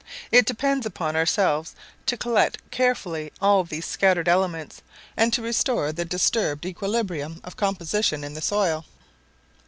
It depends upon ourselves to collect carefully all these scattered elements, and to restore the disturbed equilibrium of composition in the soil.